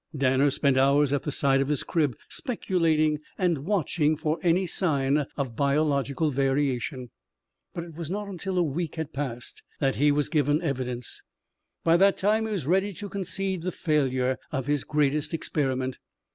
Danner spent hours at the side of his crib speculating and watching for any sign of biological variation. But it was not until a week had passed that he was given evidence. By that time he was ready to concede the failure of his greatest experiment.